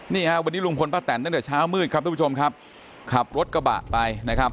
นี่ฮะวันนี้ลุงพลป้าแตนตั้งแต่เช้ามืดครับทุกผู้ชมครับขับรถกระบะไปนะครับ